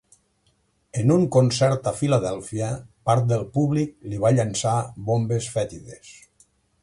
En un concert a Filadèlfia, part del públic li va llançar bombes fètides.